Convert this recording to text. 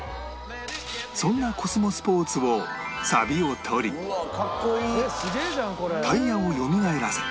そんなコスモスポーツをさびを取りタイヤをよみがえらせ